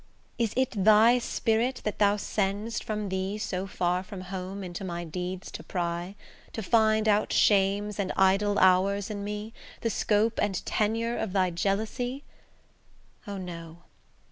Is it thy spirit that thou send'st from thee So far from home into my deeds to pry, To find out shames and idle hours in me, The scope and tenure of thy jealousy? O, no!